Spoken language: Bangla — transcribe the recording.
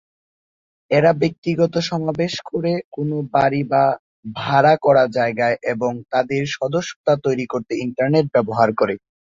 এরা ব্যক্তিগত সমাবেশ করে কোন বাড়ি বা ভাড়া করা জায়গায় এবং তাদের সদস্যতা তৈরি করতে ইন্টারনেট ব্যবহার করে।